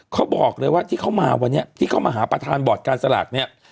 เขาบอกเลยว่าที่เขามาวันนี้ที่เขามาหาประธานบอร์ดการสลากเนี่ย